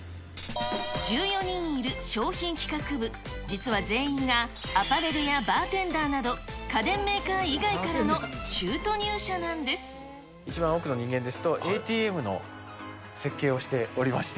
１４人いる商品企画部、実は全員がアパレルやバーテンダーなど、家電メーカー以外からの中途入社一番奥の人間ですと、ＡＴＭの設計をしておりまして。